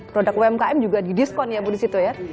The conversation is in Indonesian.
produk umkm juga didiskon ya bu disitu ya